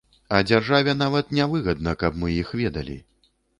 А дзяржаве нават не выгадна, каб мы іх ведалі.